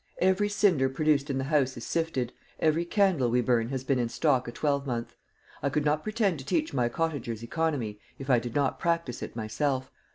Every cinder produced in the house is sifted; every candle we burn has been in stock a twelvemonth. I could not pretend to teach my cottagers economy if I did not practise it myself.